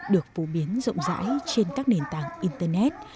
được phổ biến rộng rãi trên các nền tảng internet